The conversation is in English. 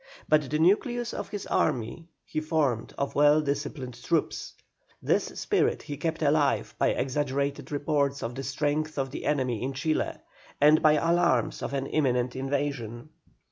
But the nucleus of his army he formed of well disciplined troops. This spirit he kept alive by exaggerated reports of the strength of the enemy in Chile, and by alarms of an imminent invasion.